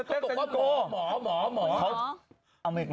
วิตาลี